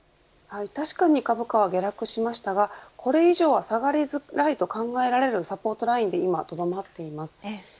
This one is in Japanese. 確かに株価は下落しましたがこれ以上は下がりづらいと考えられるサポートラインで今とどまっています。